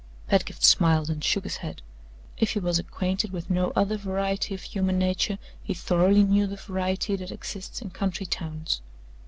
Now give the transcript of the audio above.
Pedgift smiled and shook his head. If he was acquainted with no other variety of human nature, he thoroughly knew the variety that exists in country towns.